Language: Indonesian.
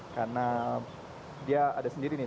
karena dia ada sendiri nih